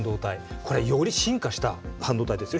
これより進化した半導体ですよ